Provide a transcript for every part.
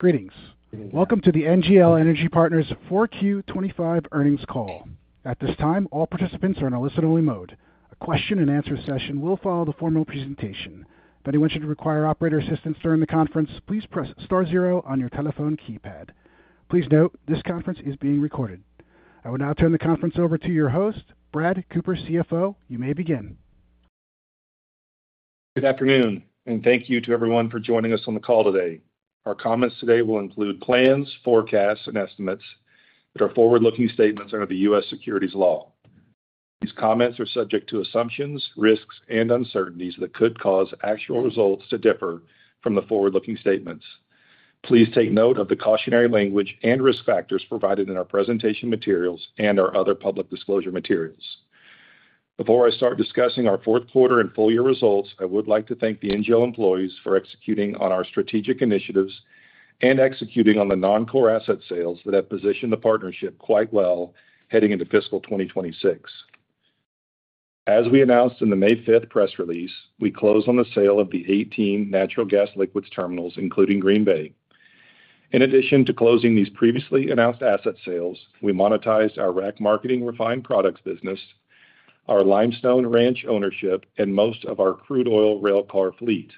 Greetings. Welcome to the NGL Energy Partners 4Q25 Earnings Call. At this time, all participants are in a listen-only mode. A question-and-answer session will follow the formal presentation. If anyone should require operator assistance during the conference, please press star zero on your telephone keypad. Please note, this conference is being recorded. I will now turn the conference over to your host, Brad Cooper, CFO. You may begin. Good afternoon, and thank you to everyone for joining us on the call today. Our comments today will include plans, forecasts, and estimates, but our forward-looking statements are under the U.S. securities law. These comments are subject to assumptions, risks, and uncertainties that could cause actual results to differ from the forward-looking statements. Please take note of the cautionary language and risk factors provided in our presentation materials and our other public disclosure materials. Before I start discussing our fourth quarter and full-year results, I would like to thank the NGL employees for executing on our strategic initiatives and executing on the non-core asset sales that have positioned the partnership quite well heading into fiscal 2026. As we announced in the May 5th press release, we closed on the sale of the 18 natural gas liquids terminals, including Green Bay. In addition to closing these previously announced asset sales, we monetized our rack marketing refined products business, our Limestone Ranch ownership, and most of our crude oil railcar fleet.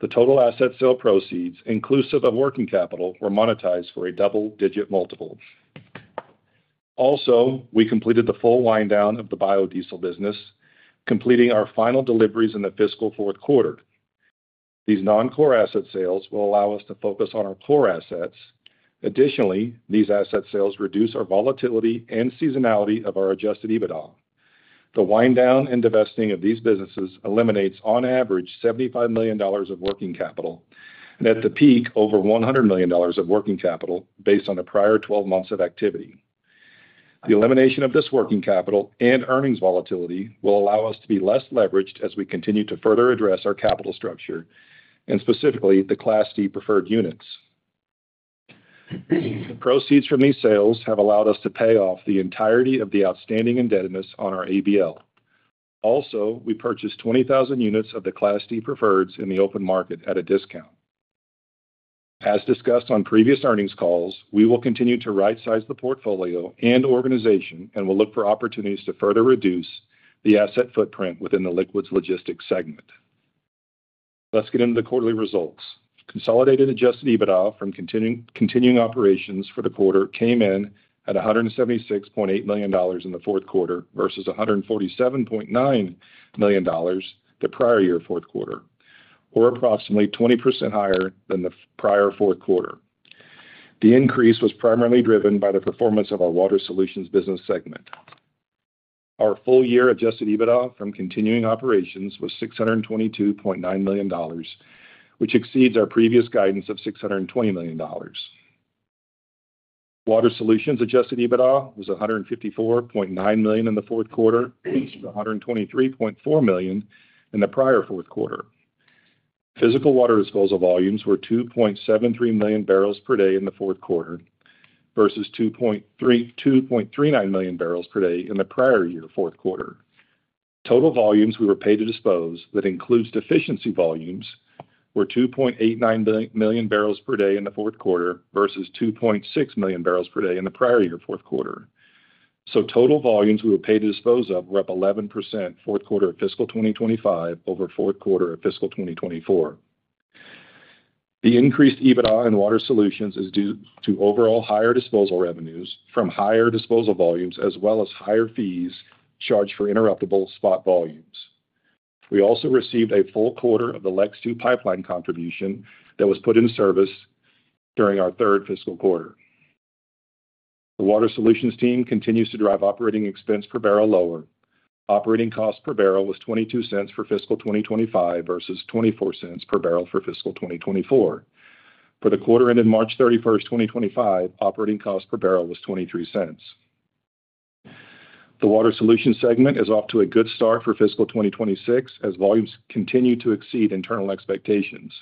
The total asset sale proceeds, inclusive of working capital, were monetized for a double-digit multiple. Also, we completed the full wind-down of the biodiesel business, completing our final deliveries in the fiscal fourth quarter. These non-core asset sales will allow us to focus on our core assets. Additionally, these asset sales reduce our volatility and seasonality of our Adjusted EBITDA. The wind-down and divesting of these businesses eliminates, on average, $75 million of working capital, and at the peak, over $100 million of working capital based on the prior 12 months of activity. The elimination of this working capital and earnings volatility will allow us to be less leveraged as we continue to further address our capital structure and specifically the Class D preferred units. The proceeds from these sales have allowed us to pay off the entirety of the outstanding indebtedness on our ABL. Also, we purchased 20,000 units of the Class D preferreds in the open market at a discount. As discussed on previous earnings calls, we will continue to right-size the portfolio and organization and will look for opportunities to further reduce the asset footprint within the liquids logistics segment. Let's get into the quarterly results. Consolidated Adjusted EBITDA from continuing operations for the quarter came in at $176.8 million in the fourth quarter versus $147.9 million the prior year fourth quarter, or approximately 20% higher than the prior fourth quarter. The increase was primarily driven by the performance of our Water Solutions business segment. Our full-year Adjusted EBITDA from continuing operations was $622.9 million, which exceeds our previous guidance of $620 million. Water Solutions Adjusted EBITDA was $154.9 million in the fourth quarter versus $123.4 million in the prior fourth quarter. Physical water disposal volumes were 2.73 million barrels per day in the fourth quarter versus 2.39 million barrels per day in the prior year fourth quarter. Total volumes we were paid to dispose that includes deficiency volumes were 2.89 million barrels per day in the fourth quarter versus 2.6 million barrels per day in the prior year fourth quarter. Total volumes we were paid to dispose of were up 11% fourth quarter of fiscal 2025 over fourth quarter of fiscal 2024. The increased EBITDA in water solutions is due to overall higher disposal revenues from higher disposal volumes as well as higher fees charged for interruptible spot volumes. We also received a full quarter of the Lex 2 pipeline contribution that was put in service during our third fiscal quarter. The water solutions team continues to drive operating expense per barrel lower. Operating cost per barrel was $0.22 for fiscal 2025 versus $0.24 per barrel for fiscal 2024. For the quarter ended March 31, 2025, operating cost per barrel was $0.23. The water solutions segment is off to a good start for fiscal 2026 as volumes continue to exceed internal expectations.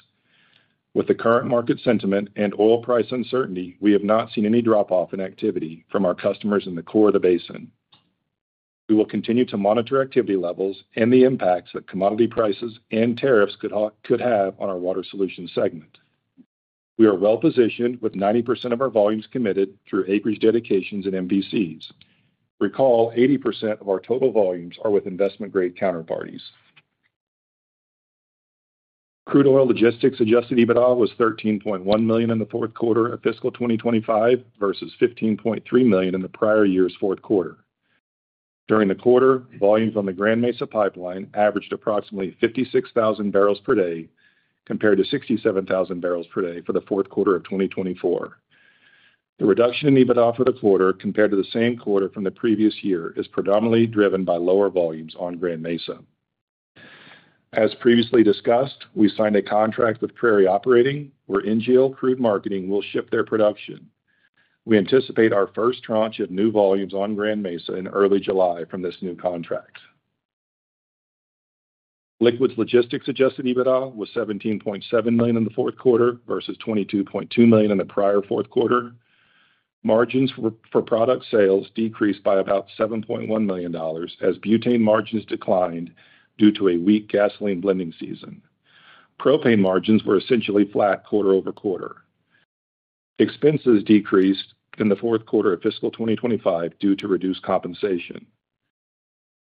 With the current market sentiment and oil price uncertainty, we have not seen any drop-off in activity from our customers in the core of the basin. We will continue to monitor activity levels and the impacts that commodity prices and tariffs could have on our Water Solutions segment. We are well positioned with 90% of our volumes committed through acreage dedications and MVCs. Recall, 80% of our total volumes are with investment-grade counterparties. Crude Oil Logistics Adjusted EBITDA was $13.1 million in the fourth quarter of fiscal 2025 versus $15.3 million in the prior year's fourth quarter. During the quarter, volumes on the Grand Mesa pipeline averaged approximately 56,000 barrels per day compared to 67,000 barrels per day for the fourth quarter of 2024. The reduction in EBITDA for the quarter compared to the same quarter from the previous year is predominantly driven by lower volumes on Grand Mesa. As previously discussed, we signed a contract with Prairie Operating where NGL Crude Marketing will ship their production. We anticipate our first tranche of new volumes on Grand Mesa in early July from this new contract. Liquids logistics Adjusted EBITDA was $17.7 million in the fourth quarter versus $22.2 million in the prior fourth quarter. Margins for product sales decreased by about $7.1 million as butane margins declined due to a weak gasoline blending season. Propane margins were essentially flat quarter over quarter. Expenses decreased in the fourth quarter of fiscal 2025 due to reduced compensation.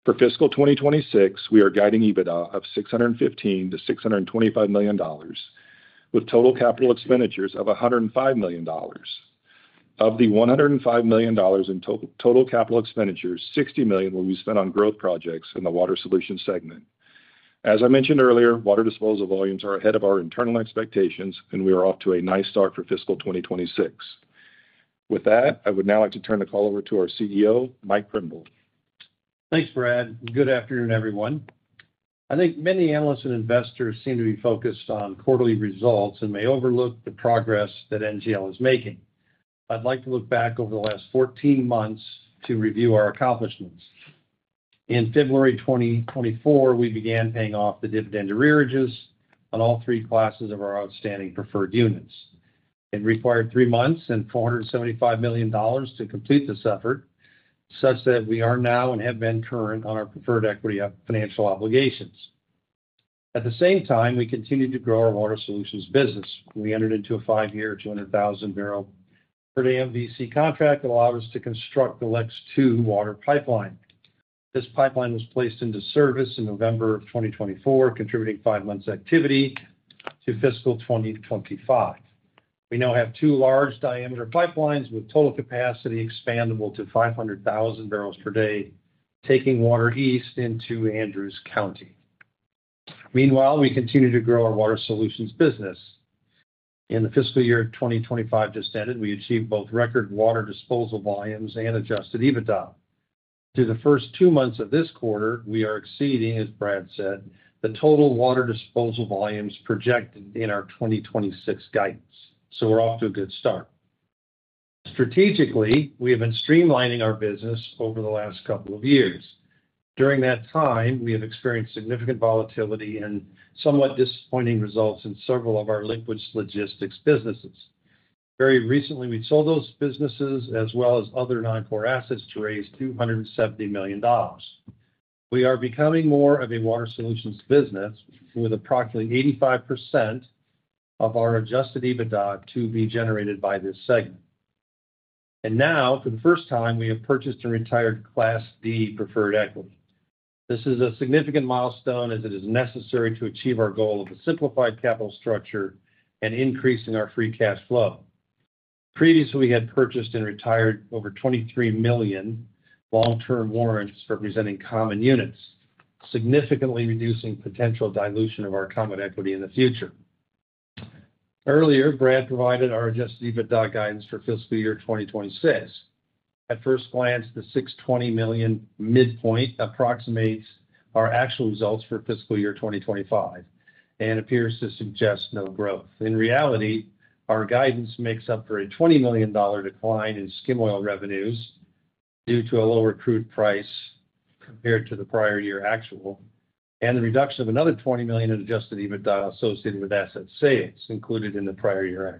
For fiscal 2026, we are guiding EBITDA of $615 to $625 million with total capital expenditures of $105 million. Of the $105 million in total capital expenditures, $60 million will be spent on growth projects in the water solution segment. As I mentioned earlier, water disposal volumes are ahead of our internal expectations, and we are off to a nice start for fiscal 2026. With that, I would now like to turn the call over to our CEO, Michael Krimbill Thanks, Brad. Good afternoon, everyone. I think many analysts and investors seem to be focused on quarterly results and may overlook the progress that NGL is making. I'd like to look back over the last 14 months to review our accomplishments. In February 2024, we began paying off the dividend arrearages on all three classes of our outstanding preferred units. It required three months and $475 million to complete this effort, such that we are now and have been current on our preferred equity financial obligations. At the same time, we continued to grow our water solutions business. We entered into a five-year $200,000 per day MVC contract that allowed us to construct the Lex 2 water pipeline. This pipeline was placed into service in November of 2024, contributing five months' activity to fiscal 2025. We now have two large diameter pipelines with total capacity expandable to 500,000 barrels per day, taking water east into Andrews County. Meanwhile, we continue to grow our water solutions business. In the fiscal year of 2025 just ended, we achieved both record water disposal volumes and Adjusted EBITDA. Through the first two months of this quarter, we are exceeding, as Brad said, the total water disposal volumes projected in our 2026 guidance. We are off to a good start. Strategically, we have been streamlining our business over the last couple of years. During that time, we have experienced significant volatility and somewhat disappointing results in several of our liquids logistics businesses. Very recently, we sold those businesses as well as other non-core assets to raise $270 million. We are becoming more of a water solutions business with approximately 85% of our Adjusted EBITDA to be generated by this segment. Now, for the first time, we have purchased and retired Class D preferred equity. This is a significant milestone as it is necessary to achieve our goal of a simplified capital structure and increasing our Free cash flow. Previously, we had purchased and retired over 23 million long-term warrants representing common units, significantly reducing potential dilution of our common equity in the future. Earlier, Brad provided our Adjusted EBITDA guidance for fiscal year 2026. At first glance, the $620 million midpoint approximates our actual results for fiscal year 2025 and appears to suggest no growth. In reality, our guidance makes up for a $20 million decline in skim oil revenues due to a lower crude price compared to the prior year actual, and the reduction of another $20 million in Adjusted EBITDA associated with asset sales included in the prior year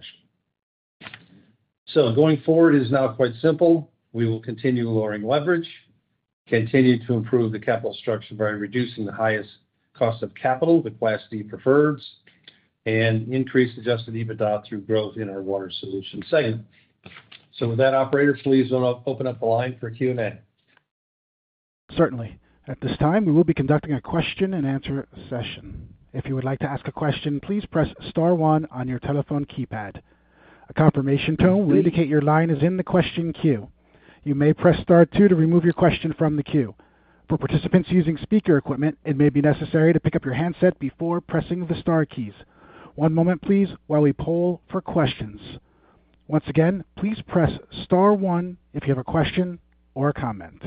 actual. Going forward is now quite simple. We will continue lowering leverage, continue to improve the capital structure by reducing the highest cost of capital, the Class D preferreds, and increase Adjusted EBITDA through growth in our water solution segment. With that, operator, please open up the line for Q&A. Certainly. At this time, we will be conducting a question-and-answer session. If you would like to ask a question, please press star one on your telephone keypad. A confirmation tone will indicate your line is in the question queue. You may press star two to remove your question from the queue. For participants using speaker equipment, it may be necessary to pick up your handset before pressing the star keys. One moment, please, while we poll for questions. Once again, please press star one if you have a question or a comment.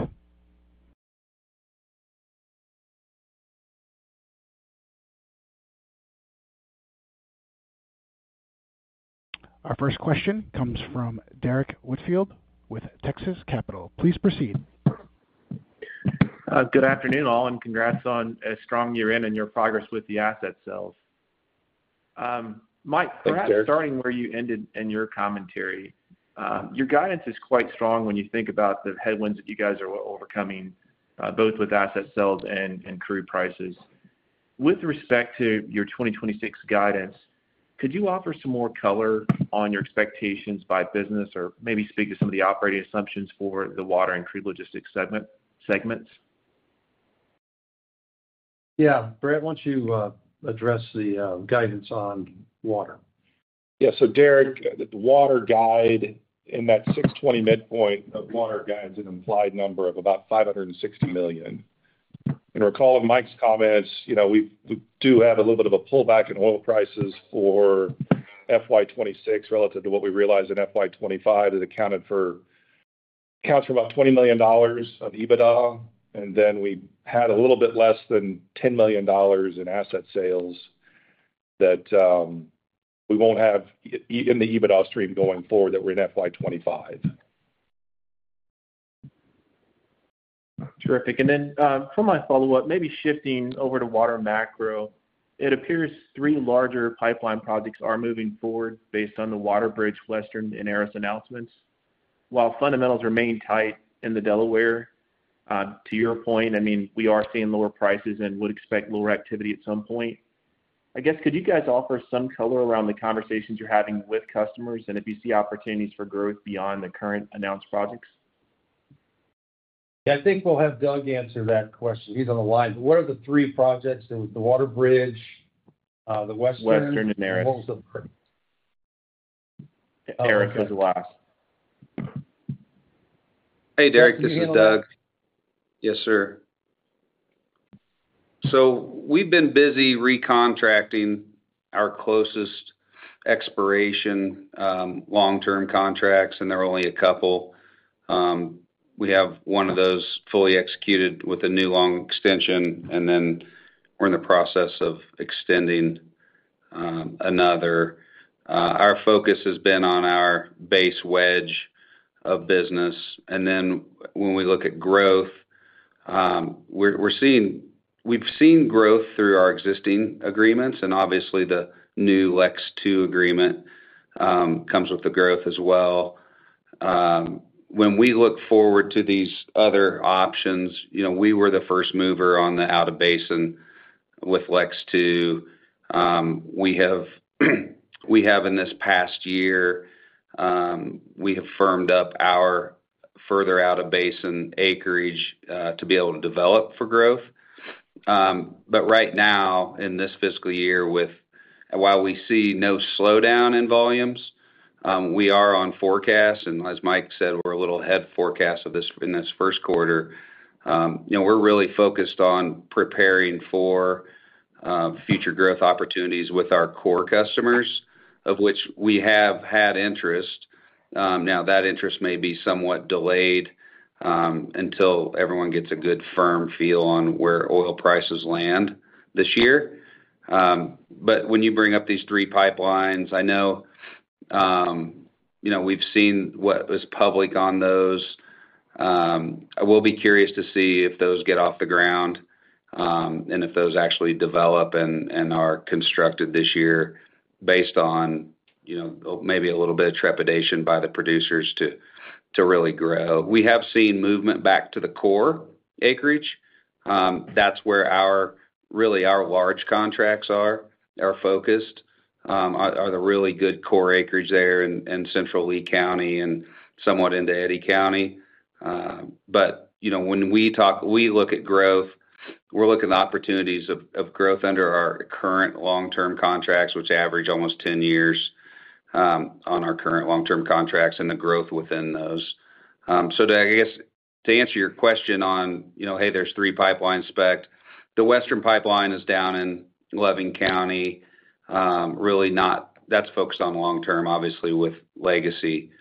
Our first question comes from Derrick Whitfield with Texas Capital. Please proceed. Good afternoon, all, and congrats on a strong year-end and your progress with the asset sales. Mike, perhaps starting where you ended in your commentary, your guidance is quite strong when you think about the headwinds that you guys are overcoming, both with asset sales and crude prices. With respect to your 2026 guidance, could you offer some more color on your expectations by business or maybe speak to some of the operating assumptions for the water and crude logistics segments? Yeah. Brad, why don't you address the guidance on water? Yeah. Derek, the water guide in that 620 midpoint, the water guide is an implied number of about $560 million. Recall in Mike's comments, we do have a little bit of a pullback in oil prices for FY2026 relative to what we realized in FY2025. It accounts for about $20 million of EBITDA, and then we had a little bit less than $10 million in asset sales that we will not have in the EBITDA stream going forward that were in FY2025. Terrific. For my follow-up, maybe shifting over to water macro, it appears three larger pipeline projects are moving forward based on the WaterBridge, Western, and Aris announcements. While fundamentals remain tight in the Delaware, to your point, I mean, we are seeing lower prices and would expect lower activity at some point. I guess, could you guys offer some color around the conversations you're having with customers and if you see opportunities for growth beyond the current announced projects? Yeah. I think we'll have Doug answer that question. He's on the line. What are the three projects? The WaterBridge, the Western. Western and Aris. Aris is the last. Hey, Derrick. This is Doug. Yes, sir. Yes, sir. So we've been busy recontracting our closest expiration long-term contracts, and there are only a couple. We have one of those fully executed with a new long extension, and then we're in the process of extending another. Our focus has been on our base wedge of business. When we look at growth, we've seen growth through our existing agreements, and obviously, the new Lex 2 agreement comes with the growth as well. When we look forward to these other options, we were the first mover on the out-of-basin with Lex 2. In this past year, we have firmed up our further out-of-basin acreage to be able to develop for growth. Right now, in this fiscal year, while we see no slowdown in volumes, we are on forecast, and as Mike said, we're a little ahead of forecast in this first quarter. We're really focused on preparing for future growth opportunities with our core customers, of which we have had interest. Now, that interest may be somewhat delayed until everyone gets a good firm feel on where oil prices land this year. When you bring up these three pipelines, I know we've seen what is public on those. I will be curious to see if those get off the ground and if those actually develop and are constructed this year based on maybe a little bit of trepidation by the producers to really grow. We have seen movement back to the core acreage. That's where really our large contracts are focused, are the really good core acreage there in Central Lea County and somewhat into Eddy County. When we look at growth, we're looking at the opportunities of growth under our current long-term contracts, which average almost 10 years on our current long-term contracts and the growth within those. I guess to answer your question on, "Hey, there's three pipelines specced," the Western pipeline is down in Loving County. That's focused on long-term, obviously, with Legacy,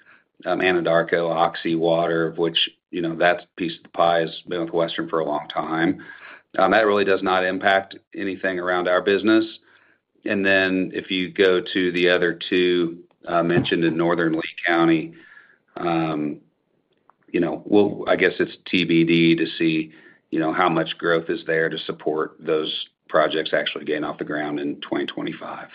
Anadarko, Oxy Water, which that piece of the pie has been with Western for a long time. That really does not impact anything around our business. If you go to the other two mentioned in Northern Lea County, I guess it's TBD to see how much growth is there to support those projects actually getting off the ground in 2025.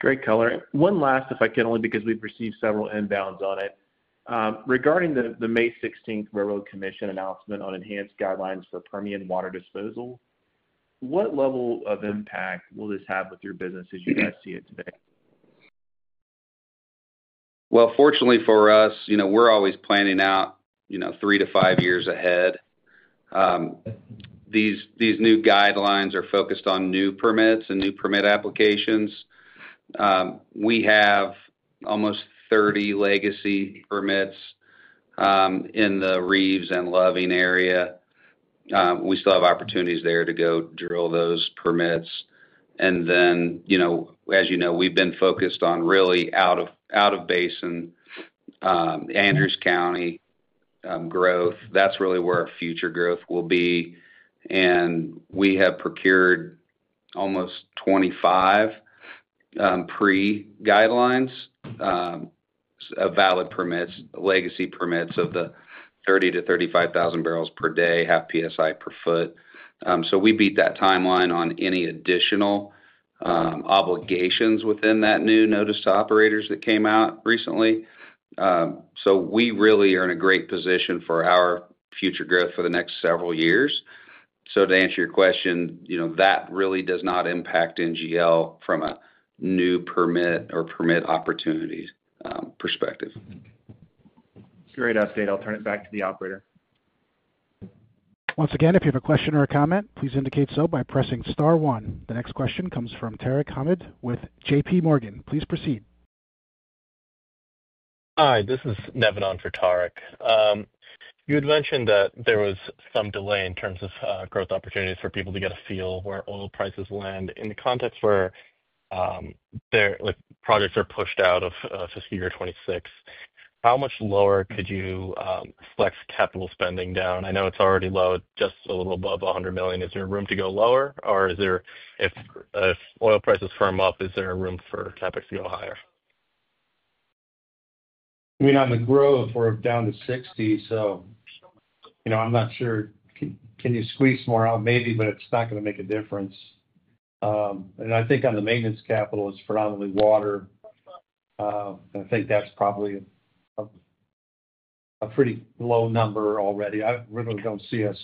Great color. One last, if I can, only because we've received several inbounds on it. Regarding the May 16th Railroad Commission announcement on enhanced guidelines for Permian water disposal, what level of impact will this have with your business as you guys see it today? Fortunately for us, we're always planning out three to five years ahead. These new guidelines are focused on new permits and new permit applications. We have almost 30 legacy permits in the Reeves and Loving area. We still have opportunities there to go drill those permits. As you know, we've been focused on really out-of-basin, Andrews County growth. That's really where our future growth will be. We have procured almost 25 pre-guidelines valid permits, legacy permits of the 30,000-35,000 barrels per day, half PSI per foot. We beat that timeline on any additional obligations within that new notice to operators that came out recently. We really are in a great position for our future growth for the next several years. To answer your question, that really does not impact NGL from a new permit or permit opportunity perspective. Great update. I'll turn it back to the operator. Once again, if you have a question or a comment, please indicate so by pressing star one. The next question comes from Tarek Hamid with J.P. Morgan. Please proceed. Hi. This is Nevan for Tarek. You had mentioned that there was some delay in terms of growth opportunities for people to get a feel where oil prices land. In the context where projects are pushed out of fiscal year 2026, how much lower could you flex capital spending down? I know it's already low, just a little above $100 million. Is there room to go lower, or if oil prices firm up, is there room for CapEx to go higher? I mean, on the growth, we're down to 60, so I'm not sure. Can you squeeze some more out? Maybe, but it's not going to make a difference. I think on the maintenance capital, it's predominantly water. I think that's probably a pretty low number already. I really don't see us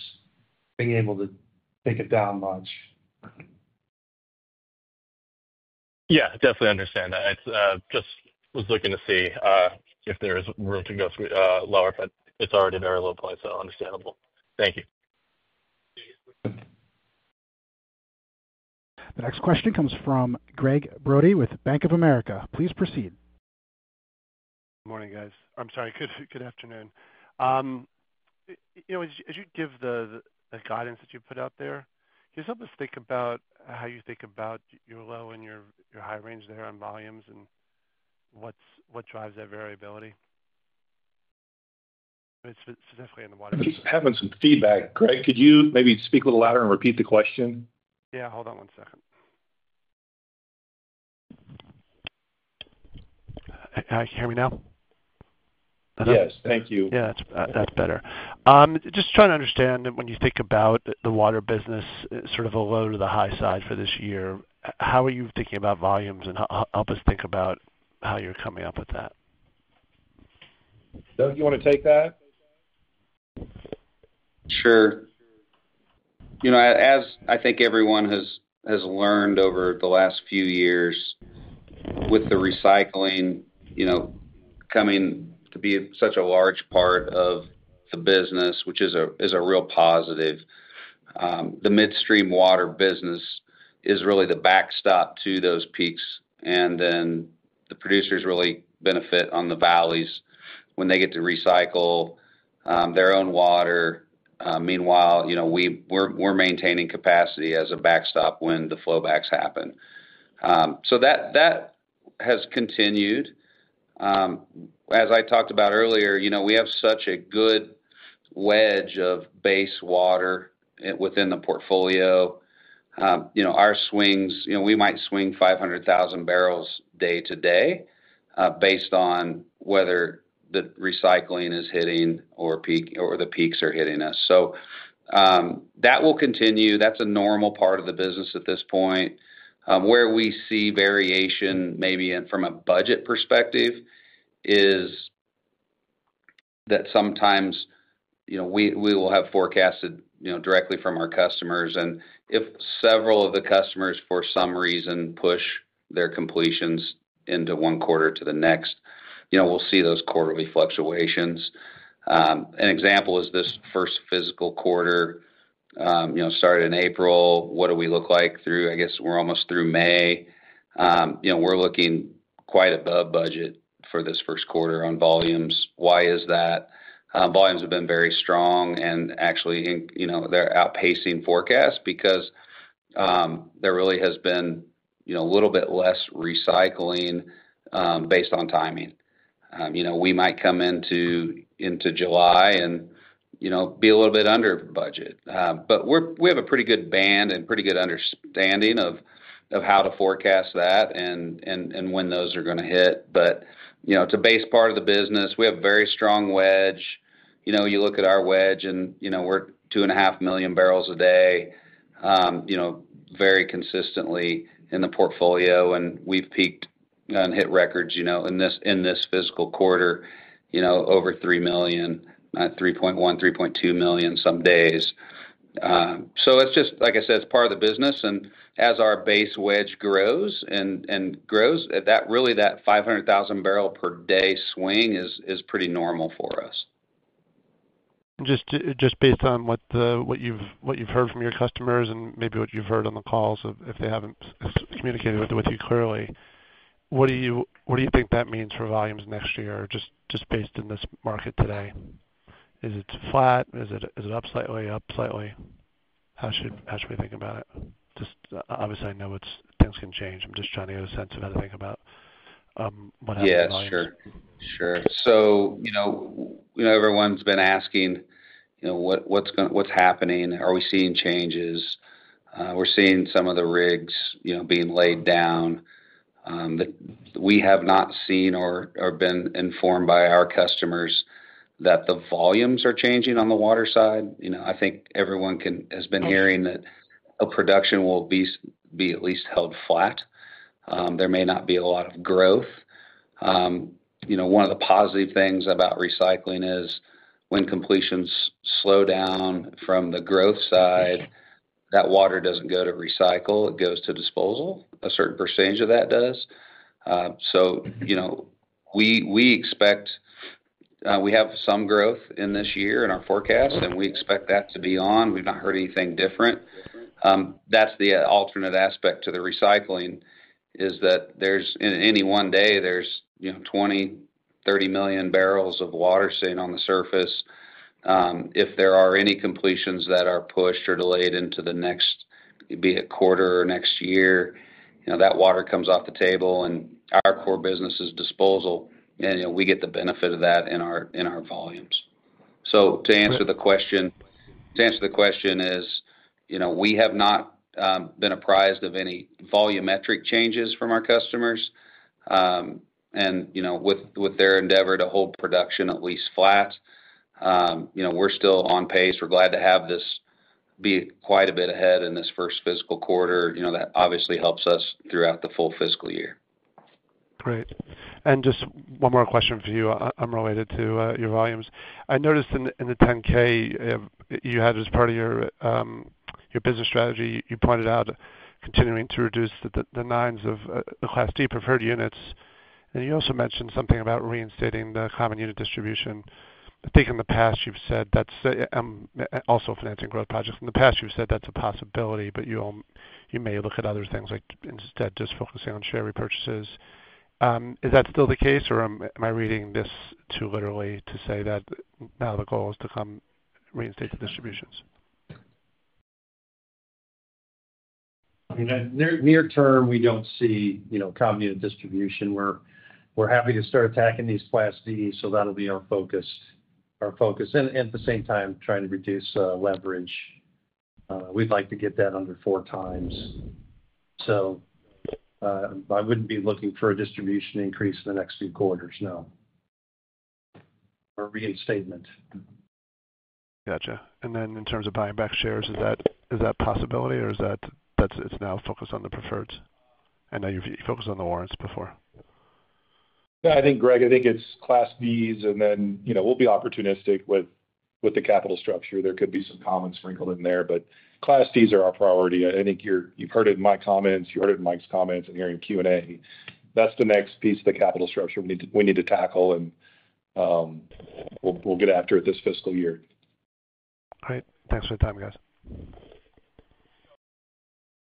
being able to take it down much. Yeah. Definitely understand. I just was looking to see if there is room to go lower, but it's already a very low point, so understandable. Thank you. The next question comes from Gregg Brody with Bank of America. Please proceed. Good morning, guys. I'm sorry. Good afternoon. As you give the guidance that you put out there, can you help us think about how you think about your low and your high range there on volumes and what drives that variability? Specifically in the water business. Just having some feedback. Gregg, could you maybe speak a little louder and repeat the question? Yeah. Hold on one second. Can you hear me now? Yes. Thank you. Yeah. That's better. Just trying to understand when you think about the water business, sort of the low to the high side for this year, how are you thinking about volumes and help us think about how you're coming up with that? Doug, you want to take that? Sure. As I think everyone has learned over the last few years with the recycling coming to be such a large part of the business, which is a real positive, the midstream water business is really the backstop to those peaks. The producers really benefit on the valleys when they get to recycle their own water. Meanwhile, we're maintaining capacity as a backstop when the flowbacks happen. That has continued. As I talked about earlier, we have such a good wedge of base water within the portfolio. Our swings, we might swing 500,000 barrels day to day based on whether the recycling is hitting or the peaks are hitting us. That will continue. That's a normal part of the business at this point. Where we see variation maybe from a budget perspective is that sometimes we will have forecasted directly from our customers. If several of the customers, for some reason, push their completions into one quarter to the next, we'll see those quarterly fluctuations. An example is this first physical quarter started in April. What do we look like through, I guess, we're almost through May? We're looking quite above budget for this first quarter on volumes. Why is that? Volumes have been very strong and actually they're outpacing forecasts because there really has been a little bit less recycling based on timing. We might come into July and be a little bit under budget. We have a pretty good band and pretty good understanding of how to forecast that and when those are going to hit. It's a base part of the business. We have a very strong wedge. You look at our wedge, and we're 2.5 million barrels a day very consistently in the portfolio. We have peaked and hit records in this fiscal quarter, over 3 million, 3.1, 3.2 million some days. It is just, like I said, it is part of the business. As our base wedge grows and grows, really that 500,000 barrel per day swing is pretty normal for us. Just based on what you've heard from your customers and maybe what you've heard on the calls, if they haven't communicated with you clearly, what do you think that means for volumes next year, just based in this market today? Is it flat? Is it up slightly, up slightly? How should we think about it? Obviously, I know things can change. I'm just trying to get a sense of how to think about what happens next. Yes. Sure. Sure. So everyone's been asking what's happening. Are we seeing changes? We're seeing some of the rigs being laid down. We have not seen or been informed by our customers that the volumes are changing on the water side. I think everyone has been hearing that production will be at least held flat. There may not be a lot of growth. One of the positive things about recycling is when completions slow down from the growth side, that water doesn't go to recycle. It goes to disposal. A certain percentage of that does. So we expect we have some growth in this year in our forecast, and we expect that to be on. We've not heard anything different. That's the alternate aspect to the recycling is that in any one day, there's 20-30 million barrels of water sitting on the surface. If there are any completions that are pushed or delayed into the next, be it quarter or next year, that water comes off the table, and our core business is disposal, and we get the benefit of that in our volumes. To answer the question, we have not been apprised of any volumetric changes from our customers. With their endeavor to hold production at least flat, we are still on pace. We are glad to have this be quite a bit ahead in this first fiscal quarter. That obviously helps us throughout the full fiscal year. Great. Just one more question for you unrelated to your volumes. I noticed in the 10K you had as part of your business strategy, you pointed out continuing to reduce the nines of the Class D preferred units. You also mentioned something about reinstating the common unit distribution. I think in the past, you've said that's also financing growth projects. In the past, you've said that's a possibility, but you may look at other things like instead just focusing on share repurchases. Is that still the case, or am I reading this too literally to say that now the goal is to come reinstate the distributions? I mean, near term, we do not see common unit distribution. We are happy to start attacking these Class D, so that will be our focus. At the same time, trying to reduce leverage. We would like to get that under four times. I would not be looking for a distribution increase in the next few quarters, no, or reinstatement. Gotcha. In terms of buying back shares, is that a possibility, or is that it's now focused on the preferreds? I know you focused on the warrants before. Yeah. I think, Greg, I think it's Class Ds, and then we'll be opportunistic with the capital structure. There could be some comments sprinkled in there, but Class Ds are our priority. I think you've heard it in my comments, you heard it in Mike's comments, and here in Q&A. That's the next piece of the capital structure we need to tackle, and we'll get after it this fiscal year. All right. Thanks for your time, guys.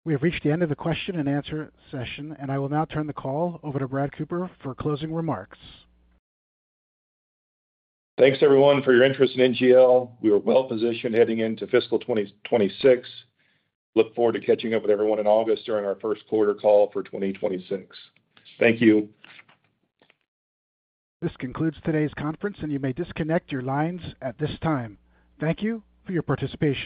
We have reached the end of the question and answer session, and I will now turn the call over to Brad Cooper for closing remarks. Thanks, everyone, for your interest in NGL. We are well-positioned heading into fiscal 2026. Look forward to catching up with everyone in August during our First Quarter Call for 2026. Thank you. This concludes today's conference, and you may disconnect your lines at this time. Thank you for your participation.